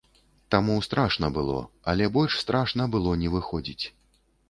Таму страшна было, але больш страшна было не выходзіць.